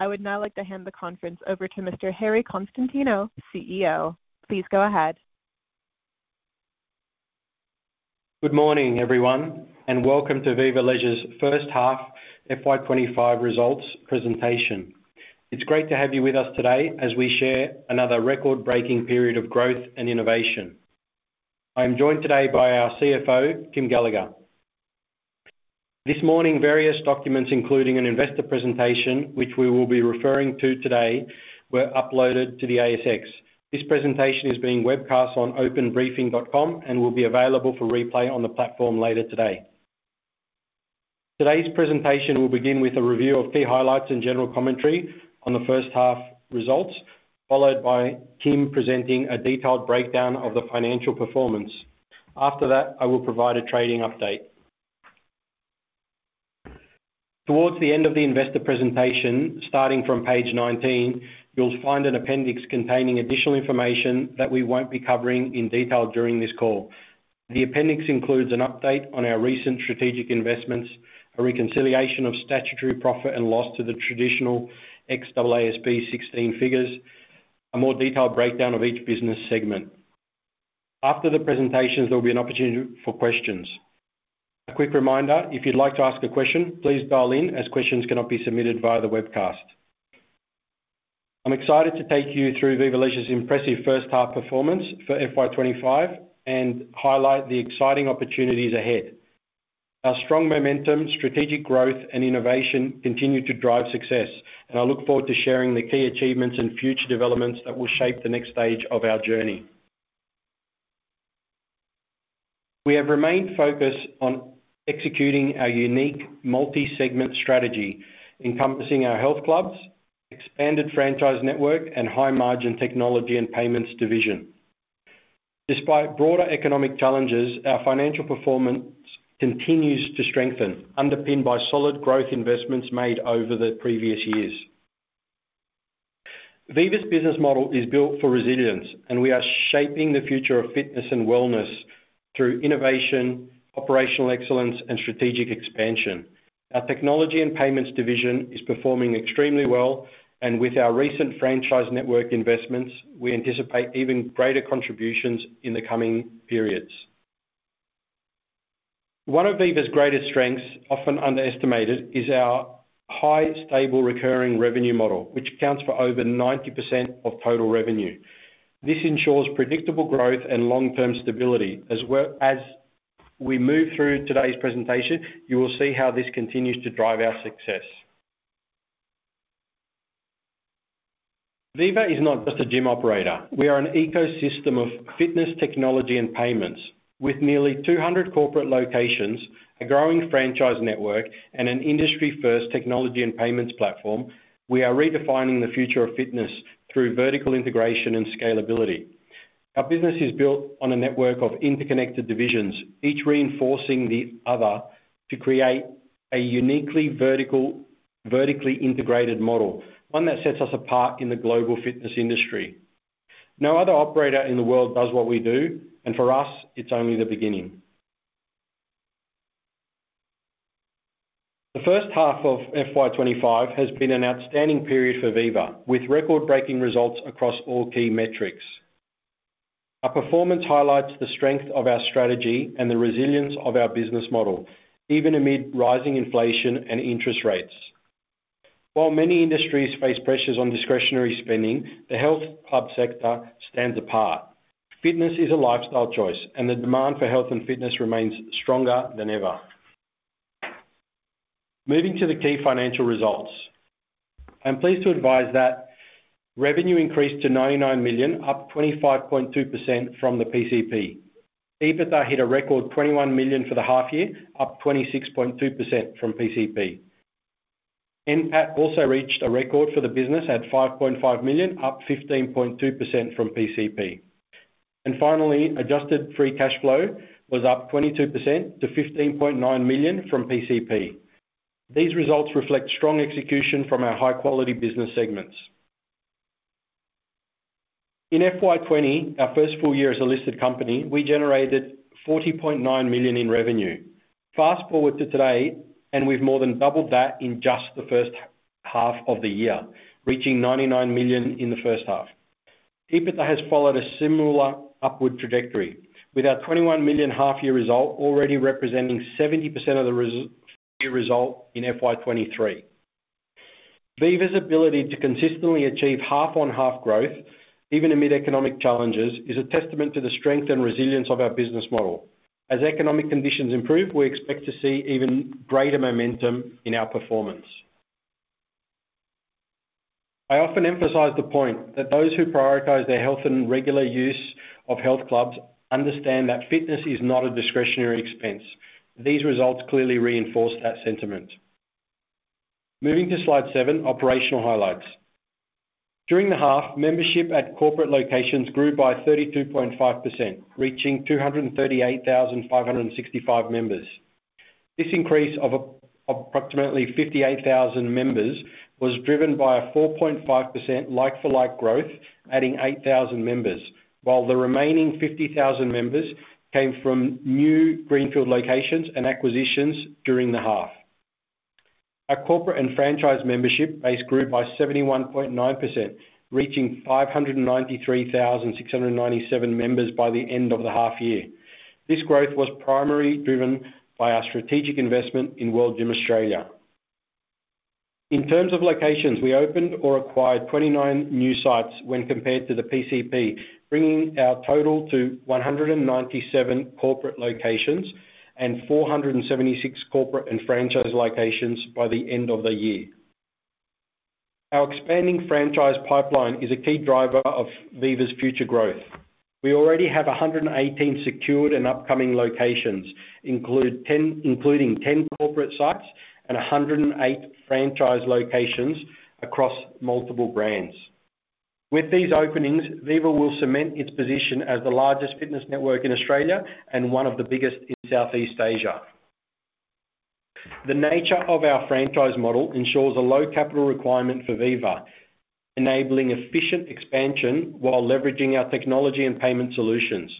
I would now like to hand the conference over to Mr. Harry Konstantinou, CEO. Please go ahead. Good morning, everyone, and welcome to Viva Leisure's First Half FY2025 Results Presentation. It's great to have you with us today as we share another record-breaking period of growth and innovation. I am joined today by our CFO, Kym Gallagher. This morning, various documents, including an investor presentation, which we will be referring to today, were uploaded to the ASX. This presentation is being webcast on openbriefing.com and will be available for replay on the platform later today. Today's presentation will begin with a review of key highlights and general commentary on the first half results, followed by Kym presenting a detailed breakdown of the financial performance. After that, I will provide a trading update. Towards the end of the investor presentation, starting from page 19, you'll find an appendix containing additional information that we won't be covering in detail during this call. The appendix includes an update on our recent strategic investments, a reconciliation of statutory profit and loss to the traditional AASB16 figures, a more detailed breakdown of each business segment. After the presentations, there will be an opportunity for questions. A quick reminder, if you'd like to ask a question, please dial in, as questions cannot be submitted via the webcast. I'm excited to take you through Viva Leisure's impressive first half performance for FY2025 and highlight the exciting opportunities ahead. Our strong momentum, strategic growth, and innovation continue to drive success, and I look forward to sharing the key achievements and future developments that will shape the next stage of our journey. We have remained focused on executing our unique multi-segment strategy, encompassing our health clubs, expanded franchise network, and high-margin technology and payments division. Despite broader economic challenges, our financial performance continues to strengthen, underpinned by solid growth investments made over the previous years. Viva's business model is built for resilience, and we are shaping the future of fitness and wellness through innovation, operational excellence, and strategic expansion. Our technology and payments division is performing extremely well, and with our recent franchise network investments, we anticipate even greater contributions in the coming periods. One of Viva's greatest strengths, often underestimated, is our high, stable, recurring revenue model, which accounts for over 90% of total revenue. This ensures predictable growth and long-term stability. As we move through today's presentation, you will see how this continues to drive our success. Viva is not just a gym operator. We are an ecosystem of fitness, technology, and payments. With nearly 200 corporate locations, a growing franchise network, and an industry-first technology and payments platform, we are redefining the future of fitness through vertical integration and scalability. Our business is built on a network of interconnected divisions, each reinforcing the other to create a uniquely vertically integrated model, one that sets us apart in the global fitness industry. No other operator in the world does what we do, and for us, it's only the beginning. The first half of FY2025 has been an outstanding period for Viva, with record-breaking results across all key metrics. Our performance highlights the strength of our strategy and the resilience of our business model, even amid rising inflation and interest rates. While many industries face pressures on discretionary spending, the health club sector stands apart. Fitness is a lifestyle choice, and the demand for health and fitness remains stronger than ever. Moving to the key financial results, I'm pleased to advise that revenue increased to 99 million, up 25.2% from the PCP. EBITDA hit a record 21 million for the half year, up 26.2% from PCP. NPAT also reached a record for the business at 5.5 million, up 15.2% from PCP. Finally, adjusted free cash flow was up 22% to 15.9 million from PCP. These results reflect strong execution from our high-quality business segments. In FY2020, our first full year as a listed company, we generated 40.9 million in revenue. Fast forward to today, and we've more than doubled that in just the first half of the year, reaching 99 million in the first half. EBITDA has followed a similar upward trajectory, with our 21 million half-year result already representing 70% of the full-year result in FY2023. Viva's ability to consistently achieve half-on-half growth, even amid economic challenges, is a testament to the strength and resilience of our business model. As economic conditions improve, we expect to see even greater momentum in our performance. I often emphasize the point that those who prioritize their health and regular use of health clubs understand that fitness is not a discretionary expense. These results clearly reinforce that sentiment. Moving to slide seven, operational highlights. During the half, membership at corporate locations grew by 32.5%, reaching 238,565 members. This increase of approximately 58,000 members was driven by a 4.5% like-for-like growth, adding 8,000 members, while the remaining 50,000 members came from new greenfield locations and acquisitions during the half. Our corporate and franchise membership base grew by 71.9%, reaching 593,697 members by the end of the half year. This growth was primarily driven by our strategic investment in World Gym Australia. In terms of locations, we opened or acquired 29 new sites when compared to the PCP, bringing our total to 197 corporate locations and 476 corporate and franchise locations by the end of the year. Our expanding franchise pipeline is a key driver of Viva's future growth. We already have 118 secured and upcoming locations, including 10 corporate sites and 108 franchise locations across multiple brands. With these openings, Viva will cement its position as the largest fitness network in Australia and one of the biggest in Southeast Asia. The nature of our franchise model ensures a low capital requirement for Viva, enabling efficient expansion while leveraging our technology and payment solutions.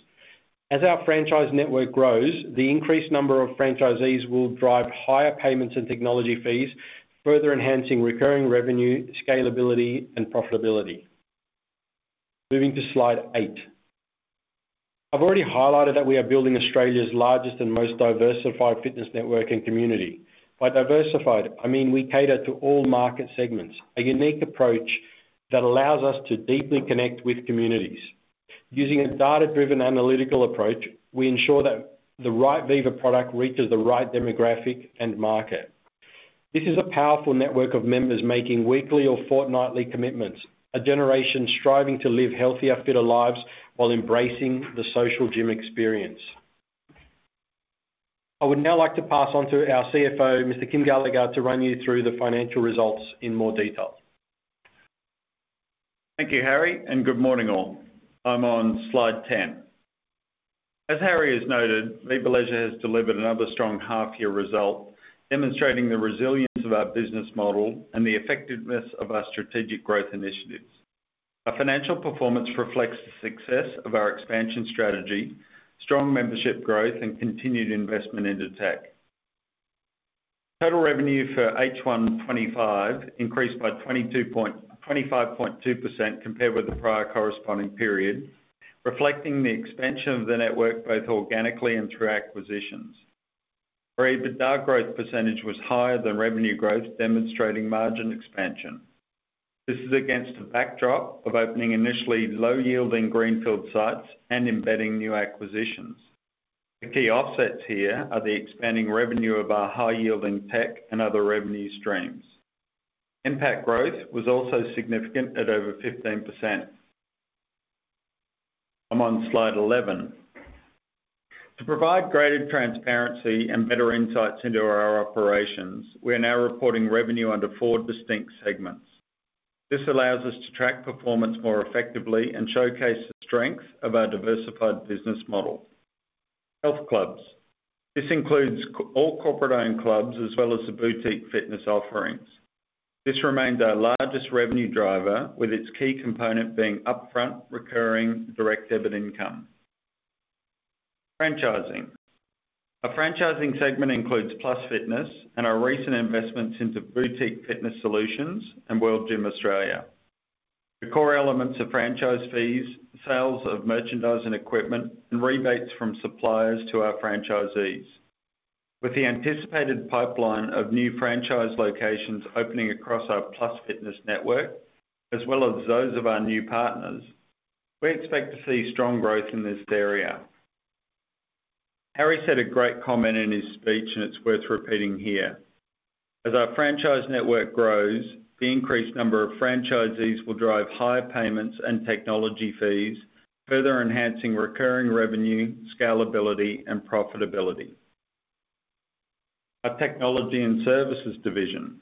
As our franchise network grows, the increased number of franchisees will drive higher payments and technology fees, further enhancing recurring revenue, scalability, and profitability. Moving to slide eight. I've already highlighted that we are building Australia's largest and most diversified fitness network and community. By diversified, I mean we cater to all market segments, a unique approach that allows us to deeply connect with communities. Using a data-driven analytical approach, we ensure that the right Viva product reaches the right demographic and market. This is a powerful network of members making weekly or fortnightly commitments, a generation striving to live healthier, fitter lives while embracing the social gym experience. I would now like to pass on to our CFO, Mr. Kym Gallagher, to run you through the financial results in more detail. Thank you, Harry, and good morning, all. I'm on slide 10. As Harry has noted, Viva Leisure has delivered another strong half-year result, demonstrating the resilience of our business model and the effectiveness of our strategic growth initiatives. Our financial performance reflects the success of our expansion strategy, strong membership growth, and continued investment into tech. Total revenue for H1 2025 increased by 25.2% compared with the prior corresponding period, reflecting the expansion of the network both organically and through acquisitions. Our EBITDA growth percentage was higher than revenue growth, demonstrating margin expansion. This is against a backdrop of opening initially low-yielding greenfield sites and embedding new acquisitions. The key offsets here are the expanding revenue of our high-yielding tech and other revenue streams. NPAT growth was also significant at over 15%. I'm on slide 11. To provide greater transparency and better insights into our operations, we are now reporting revenue under four distinct segments. This allows us to track performance more effectively and showcase the strength of our diversified business model. Health clubs. This includes all corporate-owned clubs as well as the boutique fitness offerings. This remains our largest revenue driver, with its key component being upfront, recurring, direct debit income. Franchising. Our franchising segment includes Plus Fitness and our recent investments into Boutique Fitness Solutions and World Gym Australia. The core elements are franchise fees, sales of merchandise and equipment, and rebates from suppliers to our franchisees. With the anticipated pipeline of new franchise locations opening across our Plus Fitness network, as well as those of our new partners, we expect to see strong growth in this area. Harry said a great comment in his speech, and it's worth repeating here. As our franchise network grows, the increased number of franchisees will drive higher payments and technology fees, further enhancing recurring revenue, scalability, and profitability. Our technology and services division.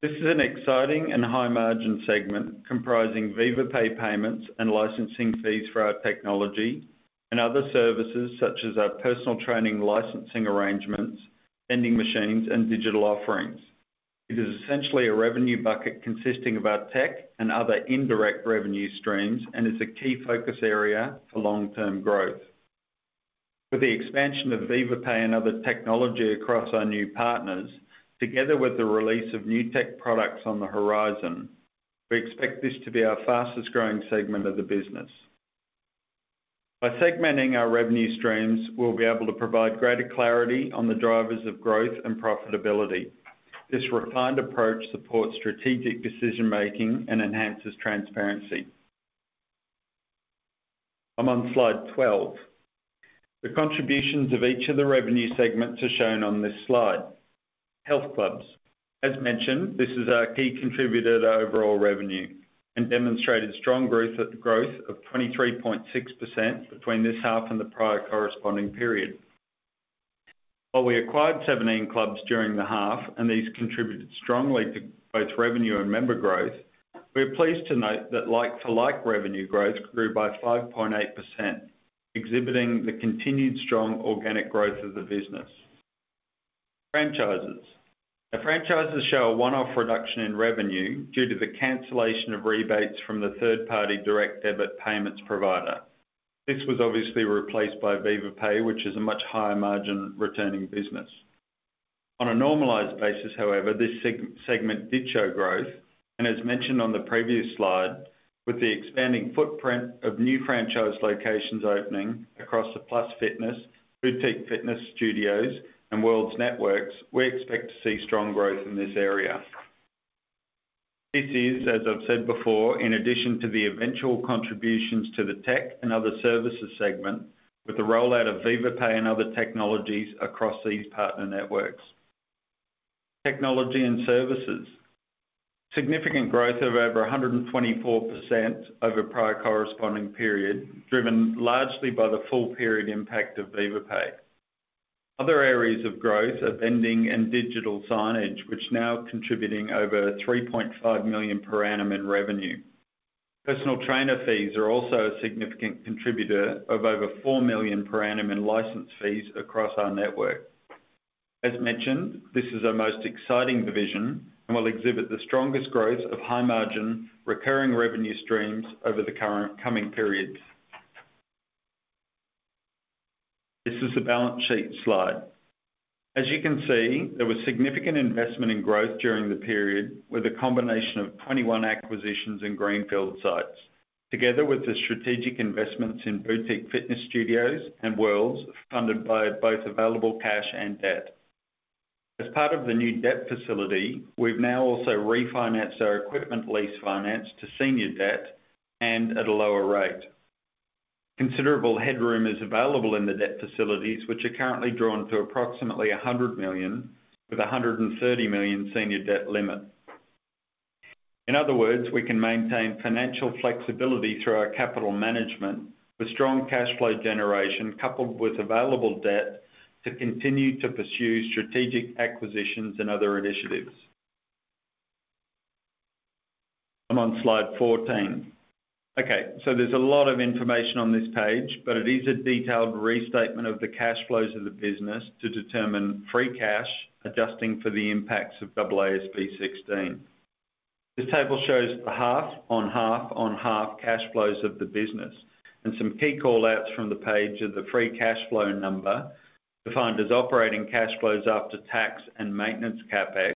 This is an exciting and high-margin segment comprising Viva Pay payments and licensing fees for our technology and other services such as our personal training licensing arrangements, vending machines, and digital offerings. It is essentially a revenue bucket consisting of our tech and other indirect revenue streams and is a key focus area for long-term growth. With the expansion of Viva Pay and other technology across our new partners, together with the release of new tech products on the horizon, we expect this to be our fastest-growing segment of the business. By segmenting our revenue streams, we will be able to provide greater clarity on the drivers of growth and profitability. This refined approach supports strategic decision-making and enhances transparency. I am on slide 12. The contributions of each of the revenue segments are shown on this slide. Health clubs. As mentioned, this is our key contributor to overall revenue and demonstrated strong growth of 23.6% between this half and the prior corresponding period. While we acquired 17 clubs during the half, and these contributed strongly to both revenue and member growth, we're pleased to note that like-for-like revenue growth grew by 5.8%, exhibiting the continued strong organic growth of the business. Our franchises show a one-off reduction in revenue due to the cancellation of rebates from the third-party direct debit payments provider. This was obviously replaced by Viva Pay, which is a much higher margin returning business. On a normalized basis, however, this segment did show growth, and as mentioned on the previous slide, with the expanding footprint of new franchise locations opening across the Plus Fitness, Boutique Fitness Studios, and World's networks, we expect to see strong growth in this area. This is, as I've said before, in addition to the eventual contributions to the tech and other services segment, with the rollout of Viva Pay and other technologies across these partner networks. Technology and services. Significant growth of over 124% over the prior corresponding period, driven largely by the full-period impact of Viva Pay. Other areas of growth are vending and digital signage, which now are contributing over 3.5 million per annum in revenue. Personal trainer fees are also a significant contributor of over 4 million per annum in license fees across our network. As mentioned, this is our most exciting division and will exhibit the strongest growth of high-margin, recurring revenue streams over the coming periods. This is the balance sheet slide. As you can see, there was significant investment and growth during the period with a combination of 21 acquisitions and greenfield sites, together with the strategic investments in Boutique Fitness Studios and World Gym Australia funded by both available cash and debt. As part of the new debt facility, we've now also refinanced our equipment lease finance to senior debt and at a lower rate. Considerable headroom is available in the debt facilities, which are currently drawn to approximately 100 million, with a 130 million senior debt limit. In other words, we can maintain financial flexibility through our capital management with strong cash flow generation coupled with available debt to continue to pursue strategic acquisitions and other initiatives. I'm on slide 14. Okay, so there's a lot of information on this page, but it is a detailed restatement of the cash flows of the business to determine free cash adjusting for the impacts of AASB16. This table shows the half-on-half-on-half cash flows of the business, and some key callouts from the page are the free cash flow number defined as operating cash flows after tax and maintenance capex.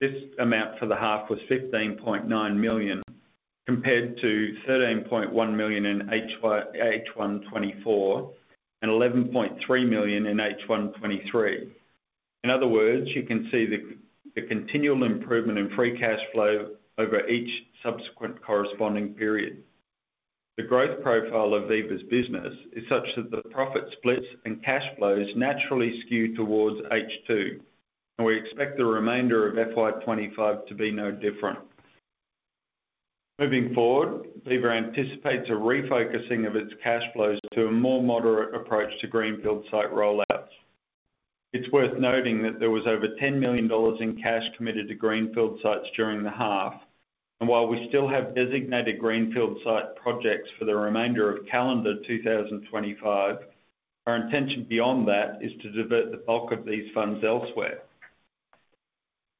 This amount for the half was 15.9 million compared to 13.1 million in H1 2024 and 11.3 million in H1 2023. In other words, you can see the continual improvement in free cash flow over each subsequent corresponding period. The growth profile of Viva's business is such that the profit splits and cash flows naturally skew towards H2, and we expect the remainder of FY2025 to be no different. Moving forward, Viva anticipates a refocusing of its cash flows to a more moderate approach to greenfield site rollouts. It's worth noting that there was over 10 million dollars in cash committed to greenfield sites during the half, and while we still have designated greenfield site projects for the remainder of calendar 2025, our intention beyond that is to divert the bulk of these funds elsewhere.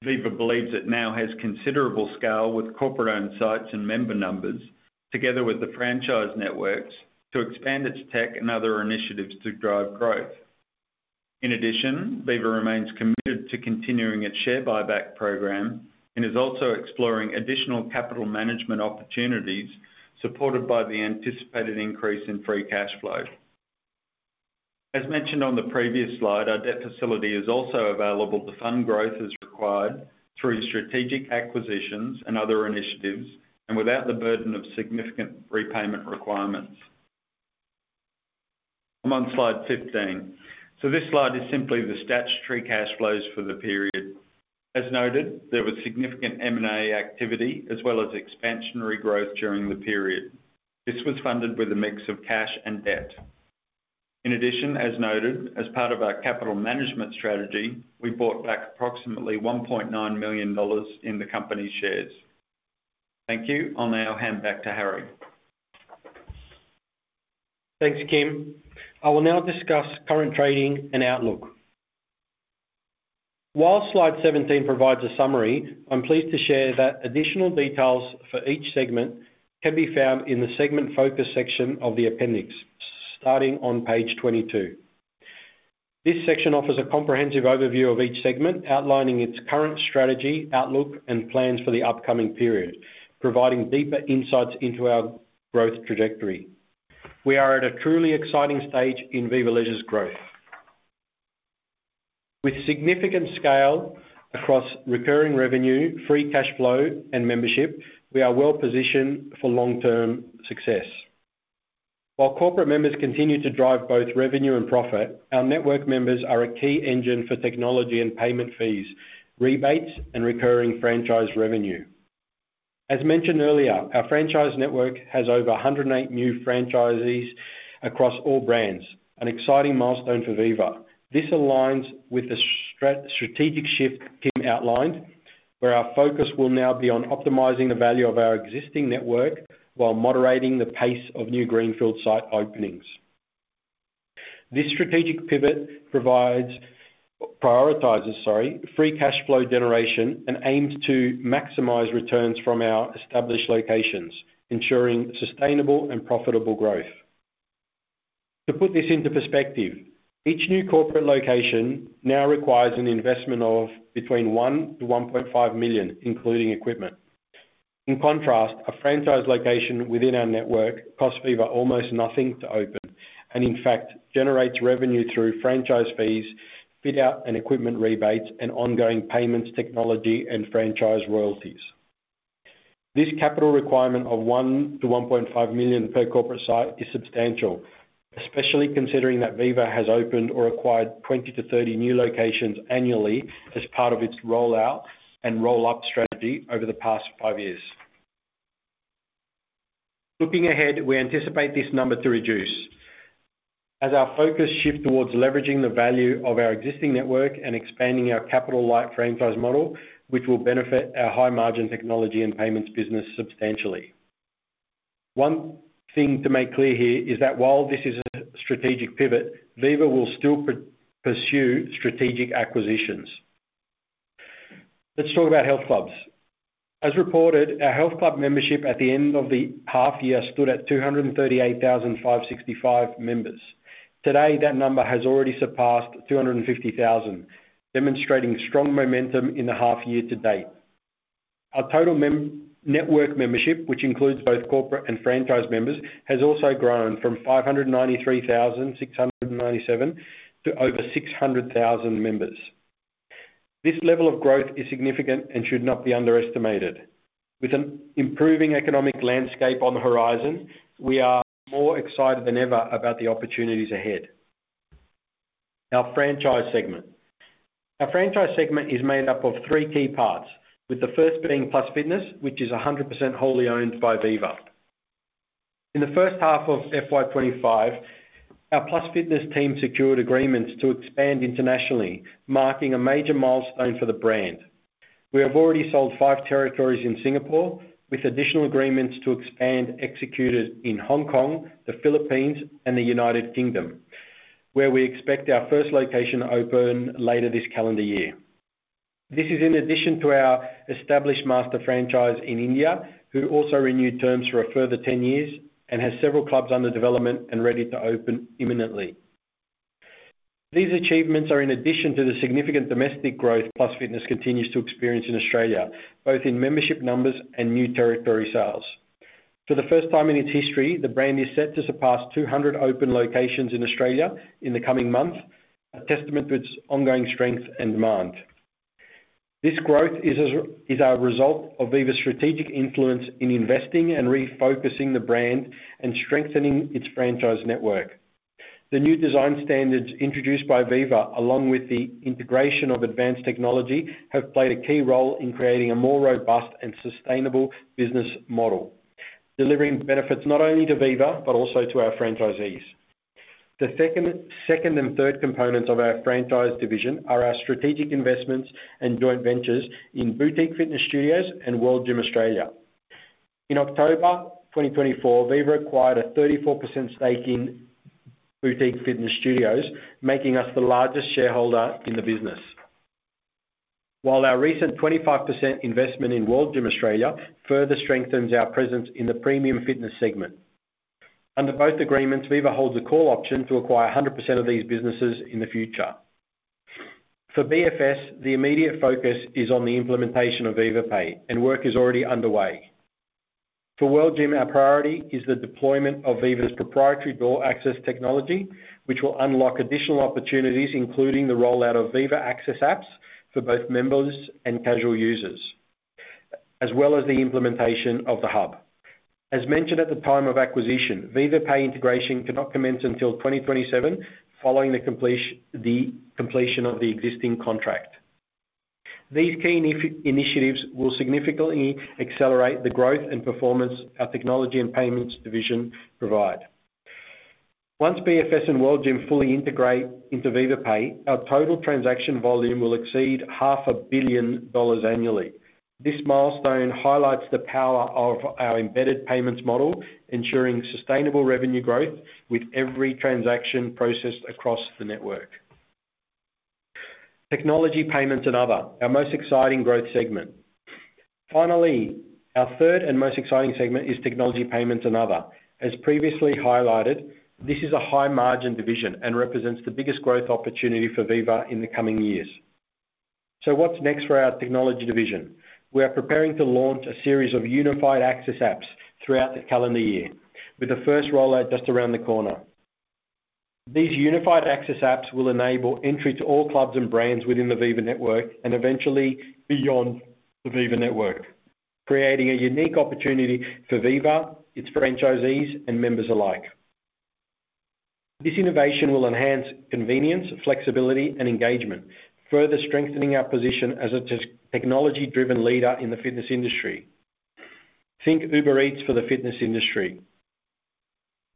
Viva believes it now has considerable scale with corporate-owned sites and member numbers, together with the franchise networks, to expand its tech and other initiatives to drive growth. In addition, Viva remains committed to continuing its share buyback program and is also exploring additional capital management opportunities supported by the anticipated increase in free cash flow. As mentioned on the previous slide, our debt facility is also available to fund growth as required through strategic acquisitions and other initiatives and without the burden of significant repayment requirements. I'm on slide 15. This slide is simply the statutory cash flows for the period. As noted, there was significant M&A activity as well as expansionary growth during the period. This was funded with a mix of cash and debt. In addition, as noted, as part of our capital management strategy, we bought back approximately 1.9 million dollars in the company's shares. Thank you. I'll now hand back to Harry. Thanks, Kym. I will now discuss current trading and outlook. While slide 17 provides a summary, I'm pleased to share that additional details for each segment can be found in the segment focus section of the appendix, starting on page 22. This section offers a comprehensive overview of each segment, outlining its current strategy, outlook, and plans for the upcoming period, providing deeper insights into our growth trajectory. We are at a truly exciting stage in Viva Leisure's growth. With significant scale across recurring revenue, free cash flow, and membership, we are well positioned for long-term success. While corporate members continue to drive both revenue and profit, our network members are a key engine for technology and payment fees, rebates, and recurring franchise revenue. As mentioned earlier, our franchise network has over 108 new franchisees across all brands, an exciting milestone for Viva. This aligns with the strategic shift Kym outlined, where our focus will now be on optimizing the value of our existing network while moderating the pace of new greenfield site openings. This strategic pivot prioritizes free cash flow generation and aims to maximize returns from our established locations, ensuring sustainable and profitable growth. To put this into perspective, each new corporate location now requires an investment of between 1 million-1.5 million, including equipment. In contrast, a franchise location within our network costs Viva almost nothing to open and, in fact, generates revenue through franchise fees, fit-out and equipment rebates, and ongoing payments, technology, and franchise royalties. This capital requirement of 1 million-1.5 million per corporate site is substantial, especially considering that Viva has opened or acquired 20-30 new locations annually as part of its rollout and roll-up strategy over the past five years. Looking ahead, we anticipate this number to reduce as our focus shifts towards leveraging the value of our existing network and expanding our capital-light franchise model, which will benefit our high-margin technology and payments business substantially. One thing to make clear here is that while this is a strategic pivot, Viva will still pursue strategic acquisitions. Let's talk about health clubs. As reported, our health club membership at the end of the half year stood at 238,565 members. Today, that number has already surpassed 250,000, demonstrating strong momentum in the half year to date. Our total network membership, which includes both corporate and franchise members, has also grown from 593,697 to over 600,000 members. This level of growth is significant and should not be underestimated. With an improving economic landscape on the horizon, we are more excited than ever about the opportunities ahead. Our franchise segment. Our franchise segment is made up of three key parts, with the first being Plus Fitness, which is 100% wholly owned by Viva. In the first half of FY2025, our Plus Fitness team secured agreements to expand internationally, marking a major milestone for the brand. We have already sold five territories in Singapore, with additional agreements to expand executed in Hong Kong, the Philippines, and the U.K., where we expect our first location to open later this calendar year. This is in addition to our established master franchise in India, who also renewed terms for a further 10 years and has several clubs under development and ready to open imminently. These achievements are in addition to the significant domestic growth Plus Fitness continues to experience in Australia, both in membership numbers and new territory sales. For the first time in its history, the brand is set to surpass 200 open locations in Australia in the coming month, a testament to its ongoing strength and demand. This growth is a result of Viva's strategic influence in investing and refocusing the brand and strengthening its franchise network. The new design standards introduced by Viva, along with the integration of advanced technology, have played a key role in creating a more robust and sustainable business model, delivering benefits not only to Viva but also to our franchisees. The second and third components of our franchise division are our strategic investments and joint ventures in Boutique Fitness Studios and World Gym Australia. In October 2024, Viva acquired a 34% stake in Boutique Fitness Studios, making us the largest shareholder in the business, while our recent 25% investment in World Gym Australia further strengthens our presence in the premium fitness segment. Under both agreements, Viva holds a call option to acquire 100% of these businesses in the future. For BFS, the immediate focus is on the implementation of Viva Pay, and work is already underway. For World Gym, our priority is the deployment of Viva's proprietary door access technology, which will unlock additional opportunities, including the rollout of Viva Access apps for both members and casual users, as well as the implementation of The Hub. As mentioned at the time of acquisition, Viva Pay integration cannot commence until 2027, following the completion of the existing contract. These key initiatives will significantly accelerate the growth and performance our technology and payments division provide. Once BFS and World Gym fully integrate into Viva Pay, our total transaction volume will exceed 500,000,000 dollars annually. This milestone highlights the power of our embedded payments model, ensuring sustainable revenue growth with every transaction processed across the network. Technology, payments, and other, our most exciting growth segment. Finally, our third and most exciting segment is technology, payments, and other. As previously highlighted, this is a high-margin division and represents the biggest growth opportunity for Viva in the coming years. What is next for our technology division? We are preparing to launch a series of unified access apps throughout the calendar year, with the first rollout just around the corner. These unified access apps will enable entry to all clubs and brands within the Viva network and eventually beyond the Viva network, creating a unique opportunity for Viva, its franchisees, and members alike. This innovation will enhance convenience, flexibility, and engagement, further strengthening our position as a technology-driven leader in the fitness industry. Think Uber Eats for the fitness industry.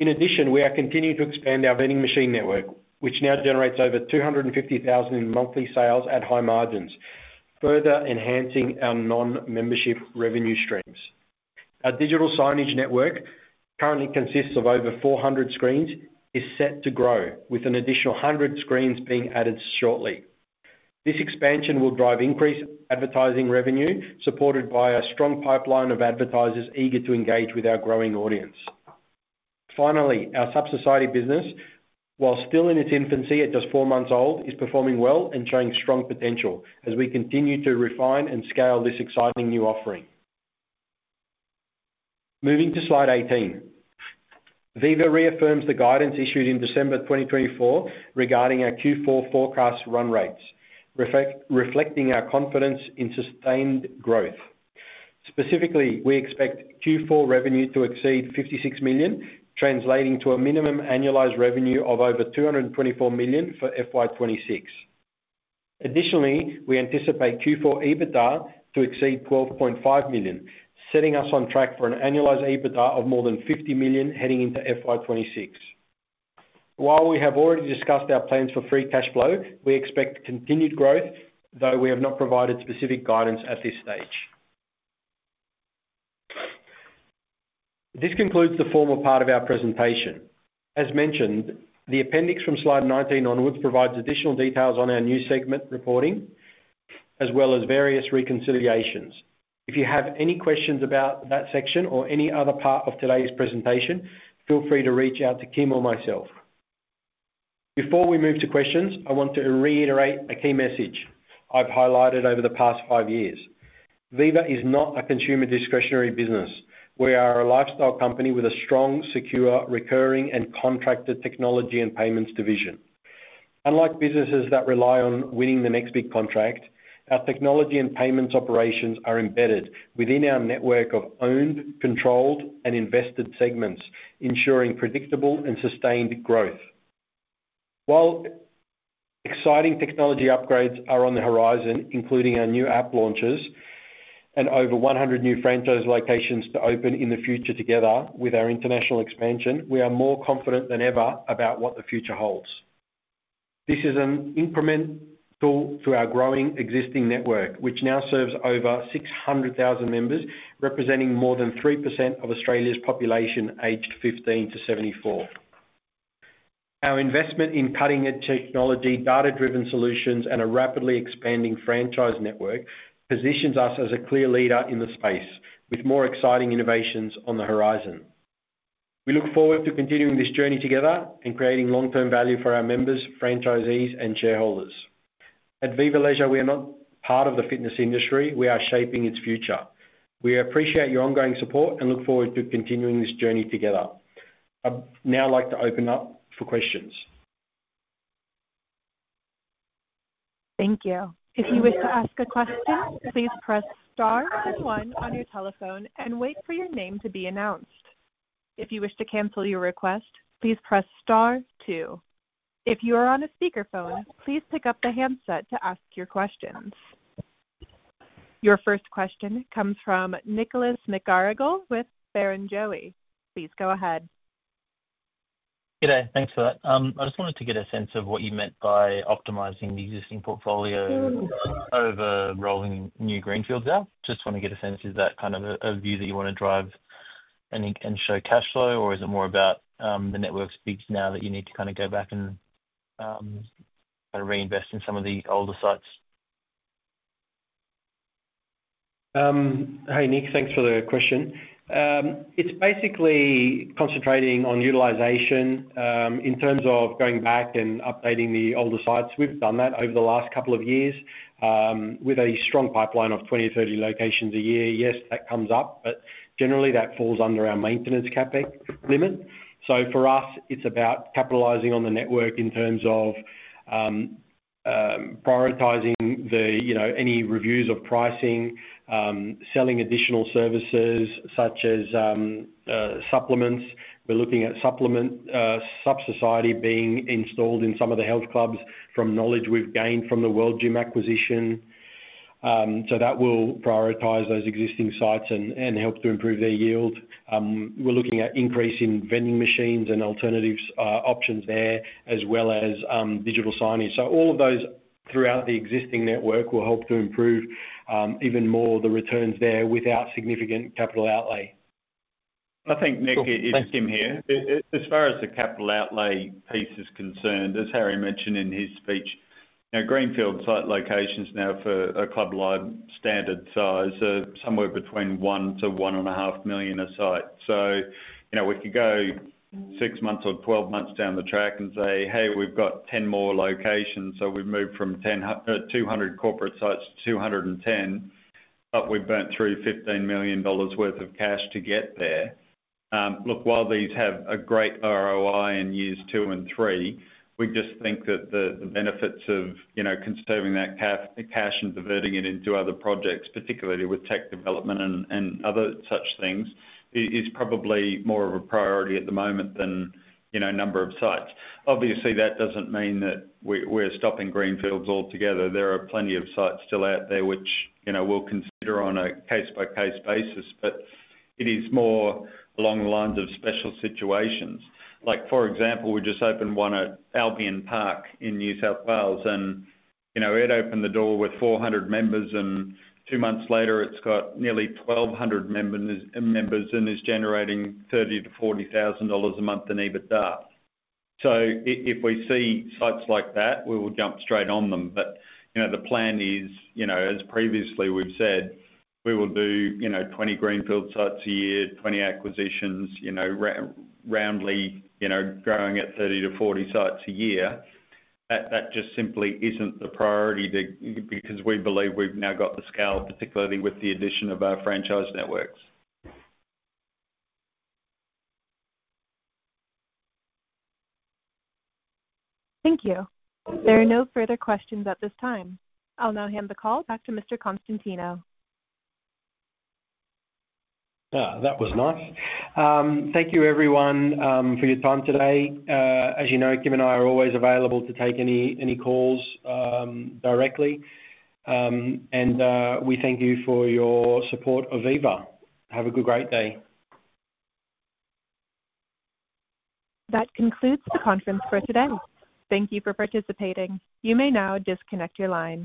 In addition, we are continuing to expand our vending machine network, which now generates over 250,000 in monthly sales at high margins, further enhancing our non-membership revenue streams. Our digital signage network, currently consisting of over 400 screens, is set to grow, with an additional 100 screens being added shortly. This expansion will drive increased advertising revenue, supported by a strong pipeline of advertisers eager to engage with our growing audience. Finally, our Supp Society business, while still in its infancy at just four months old, is performing well and showing strong potential as we continue to refine and scale this exciting new offering. Moving to slide 18, Viva reaffirms the guidance issued in December 2024 regarding our Q4 forecast run rates, reflecting our confidence in sustained growth. Specifically, we expect Q4 revenue to exceed 56 million, translating to a minimum annualized revenue of over 224 million for FY2026. Additionally, we anticipate Q4 EBITDA to exceed 12.5 million, setting us on track for an annualized EBITDA of more than 50 million heading into FY2026. While we have already discussed our plans for free cash flow, we expect continued growth, though we have not provided specific guidance at this stage. This concludes the formal part of our presentation. As mentioned, the appendix from slide 19 onwards provides additional details on our new segment reporting, as well as various reconciliations. If you have any questions about that section or any other part of today's presentation, feel free to reach out to Kym or myself. Before we move to questions, I want to reiterate a key message I've highlighted over the past five years. Viva is not a consumer discretionary business. We are a lifestyle company with a strong, secure, recurring, and contracted technology and payments division. Unlike businesses that rely on winning the next big contract, our technology and payments operations are embedded within our network of owned, controlled, and invested segments, ensuring predictable and sustained growth. While exciting technology upgrades are on the horizon, including our new app launches and over 100 new franchise locations to open in the future together with our international expansion, we are more confident than ever about what the future holds. This is incremental to our growing existing network, which now serves over 600,000 members, representing more than 3% of Australia's population aged 15 to 74. Our investment in cutting-edge technology, data-driven solutions, and a rapidly expanding franchise network positions us as a clear leader in the space, with more exciting innovations on the horizon. We look forward to continuing this journey together and creating long-term value for our members, franchisees, and shareholders. At Viva Leisure, we are not part of the fitness industry. We are shaping its future. We appreciate your ongoing support and look forward to continuing this journey together. I'd now like to open up for questions. Thank you. If you wish to ask a question, please press star and one on your telephone and wait for your name to be announced. If you wish to cancel your request, please press star two. If you are on a speakerphone, please pick up the handset to ask your questions. Your first question comes from Nicholas McGarrigle with Barrenjoey. Please go ahead. Good day. Thanks for that. I just wanted to get a sense of what you meant by optimizing the existing portfolio over rolling new greenfields out. Just want to get a sense, is that kind of a view that you want to drive and show cash flow, or is it more about the network's peaks now that you need to kind of go back and reinvest in some of the older sites? Hey, Nick, thanks for the question. It's basically concentrating on utilization in terms of going back and updating the older sites. We've done that over the last couple of years with a strong pipeline of 20-30 locations a year. Yes, that comes up, but generally, that falls under our maintenance cap limit. For us, it's about capitalizing on the network in terms of prioritizing any reviews of pricing, selling additional services such as supplements. We're looking at supplement Supp Society being installed in some of the health clubs from knowledge we've gained from the World Gym Australia acquisition. That will prioritize those existing sites and help to improve their yield. We're looking at increasing vending machines and alternative options there, as well as digital signage. All of those throughout the existing network will help to improve even more the returns there without significant capital outlay. I think, Nick, it's Kym here. As far as the capital outlay piece is concerned, as Harry mentioned in his speech, greenfield site locations now for a Club Lime standard size are somewhere between 1 million-1.5 million a site. We could go 6 months or 12 months down the track and say, "Hey, we've got 10 more locations." We have moved from 200 corporate sites to 210, but we have burnt through 15 million dollars worth of cash to get there. Look, while these have a great ROI in years two and three, we just think that the benefits of conserving that cash and diverting it into other projects, particularly with tech development and other such things, is probably more of a priority at the moment than number of sites. Obviously, that does not mean that we are stopping greenfields altogether. There are plenty of sites still out there which we'll consider on a case-by-case basis, but it is more along the lines of special situations. For example, we just opened one at Albion Park in New South Wales, and it opened the door with 400 members, and two months later, it's got nearly 1,200 members and is generating 30,000-40,000 dollars a month in EBITDA. If we see sites like that, we will jump straight on them. The plan is, as previously we've said, we will do 20 greenfield sites a year, 20 acquisitions, roundly growing at 30-40 sites a year. That just simply isn't the priority because we believe we've now got the scale, particularly with the addition of our franchise networks. Thank you. There are no further questions at this time. I'll now hand the call back to Mr. Konstantinou. That was nice. Thank you, everyone, for your time today. As you know, Kym and I are always available to take any calls directly. We thank you for your support of Viva. Have a great day. That concludes the conference for today. Thank you for participating. You may now disconnect your line.